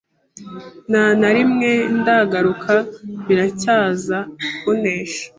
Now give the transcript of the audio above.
Nta na rimwe ndagaruka Biracyaza kunesha